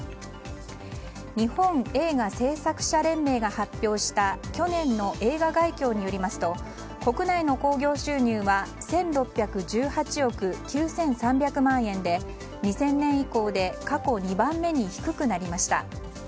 日本映画製作者連盟が発表した去年の映画概況によりますと国内の興行収入は１６１８億９３００万円で２０００年以降で過去２番目に低くなりました。